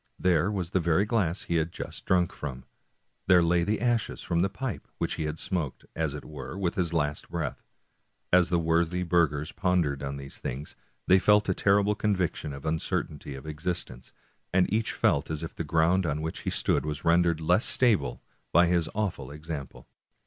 There was the very glass he had just drunk from ; there lay the ashes from the pipe which he had smoked, as it were, with his last breath. As the worthy burghers pon dered on these things, they felt a terrible conviction of the vincertainty of existence, and each felt as if the ground on which he stood was rendered less stable by his awful ex ample.